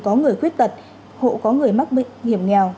có người khuyết tật hộ có người mắc hiểm nghèo